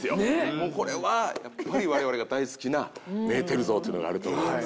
もうこれはやっぱり我々が大好きなメーテル像というのがあると思います。